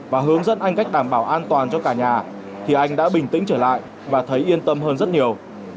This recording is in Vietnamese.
và hướng dẫn anh cách đảm bảo an toàn cho cả nhà thì anh đã bình tĩnh trở lại và thấy yên tâm hơn rất nhiều